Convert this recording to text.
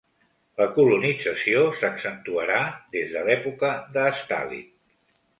La colonització s'accentuarà des de l'època de Stalin.